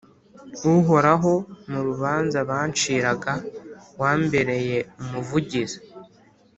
Uhoraho, mu rubanza banciraga, wambereye umuvugizi,